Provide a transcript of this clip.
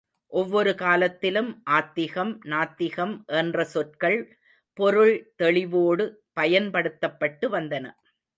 ஒவ்வொரு காலத்திலும் ஆத்திகம், நாத்திகம் என்ற சொற்கள் பொருள் தெளிவோடு பயன்படுத்தப்பட்டு வந்தன.